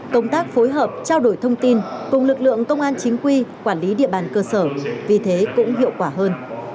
công tác phối hợp trao đổi thông tin cùng lực lượng công an chính quy quản lý địa bàn cơ sở vì thế cũng hiệu quả hơn